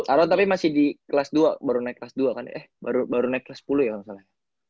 atau tapi masih di kelas dua baru naik kelas dua kan eh baru naik kelas sepuluh ya nggak salah